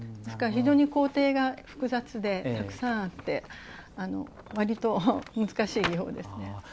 非常に工程が複雑でたくさんあってわりと難しい技法ですね。